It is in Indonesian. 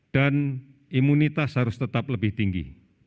dan imunitas harus tetap lebih tinggi